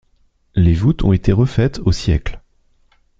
Les voûtes ont été refaites au siècle.